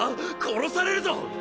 殺されるぞ！